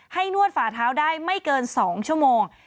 นวดฝาเท้าได้ไม่เกิน๒ชั่วโมง